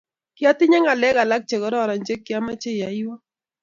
Kiatinye ngalek alak chekororon che kiamoche iyoiwo